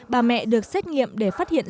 bà mẹ được xét nghiệm để phát hiện